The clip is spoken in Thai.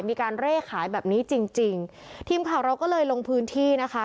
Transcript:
มีการเร่ขายแบบนี้จริงจริงทีมข่าวเราก็เลยลงพื้นที่นะคะ